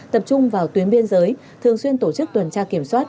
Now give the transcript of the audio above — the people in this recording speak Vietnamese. tập trung vào tuyến biên giới thường xuyên tổ chức tuần tra kiểm soát